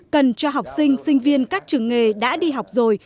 cần cho học sinh sinh viên các trường nghề đã đi học rồi